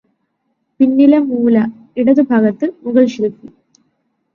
പിന്നിലെ മൂല ഇടതുഭാഗത്ത് മുകള് ഷെല്ഫില്